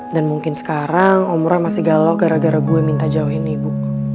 dan mungkin sekarang om roy masih galau gara gara gue minta jauhin nih ibu